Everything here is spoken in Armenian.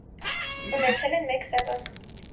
Ունեցել են մեկ զավակ։